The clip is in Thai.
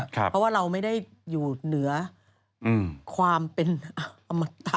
เพราะว่าเราไม่ได้อยู่เหนือความเป็นอมตะ